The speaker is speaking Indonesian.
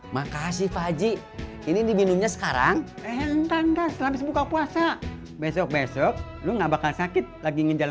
mak mau kasih tapi thr ya